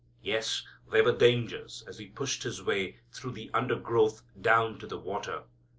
Yes, there were dangers as He pushed His way through the undergrowth down to the water.